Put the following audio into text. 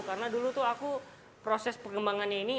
karena dulu tuh aku proses pengembangannya ini